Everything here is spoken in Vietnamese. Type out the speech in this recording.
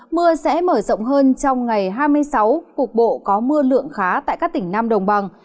mưa sẽ mở rộng hơn trong ngày hai mươi sáu cục bộ có mưa lượng khá tại các tỉnh nam đồng bằng